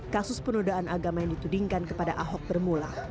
kasus penodaan agama yang ditudingkan kepada ahok bermula